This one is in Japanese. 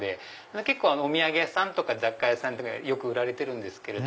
結構お土産屋さんとか雑貨屋さんによく売られてる。